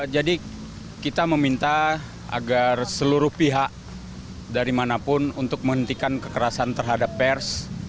jadi kita meminta agar seluruh pihak dari manapun untuk menghentikan kekerasan terhadap pers